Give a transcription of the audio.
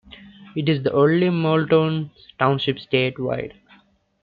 It is the only Moulton Township statewide.